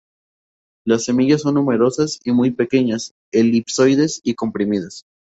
Las semillas son numerosas y muy pequeñas, elipsoides, y comprimidas.